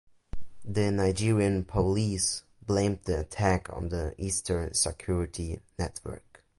The Nigerian police blamed the attack on the Eastern Security Network.